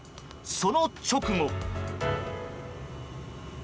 その直後。